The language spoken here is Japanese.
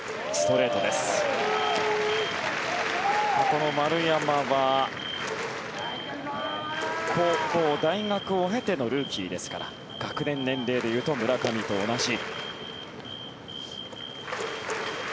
この丸山は高校、大学を経てのルーキーですから学年、年齢でいうと村上と同じ。